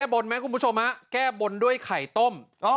แก้บนมั้ยคุณผู้ชมฮะแก้บนด้วยไข่ต้ม